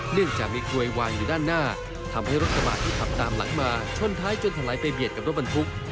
เนื่องจากมีกลวยวางอยู่ด้านหน้าทำให้รถกระบะที่ขับตามหลังมาชนท้ายจนถลายไปเบียดกับรถบรรทุก